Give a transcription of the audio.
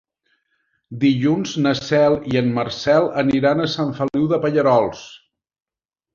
Dilluns na Cel i en Marcel aniran a Sant Feliu de Pallerols.